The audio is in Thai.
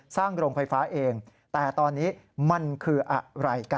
โรงไฟฟ้าเองแต่ตอนนี้มันคืออะไรกัน